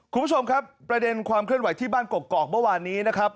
คุณผู้ชมครับประเด็นความเคลื่อนไหวที่บ้านกกอกเมื่อวานนี้นะครับ